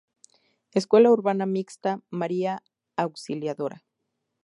Escuela Urbana Mixta María Auxiliadora.